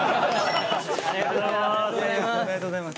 ありがとうございます！